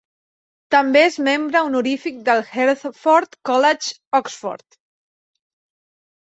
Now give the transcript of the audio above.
També és membre honorífic del Hertford College, Oxford.